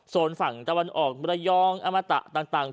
ส่วนฝั่งตะวันออกมรยองอมตะต่าง